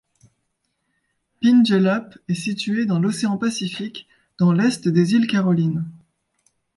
Pingelap est situé dans l'océan Pacifique, dans l'est des îles Carolines.